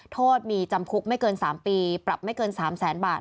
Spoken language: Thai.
โทษมีจำคุกไม่เกิน๓ปีปรับไม่เกิน๓แสนบาท